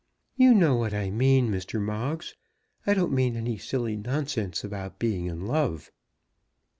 "You know what I mean, Mr. Moggs. I don't mean any silly nonsense about being in love."